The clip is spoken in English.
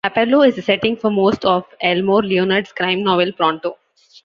Rapallo is the setting for most of Elmore Leonard's crime novel Pronto.